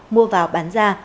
mua vào bán ra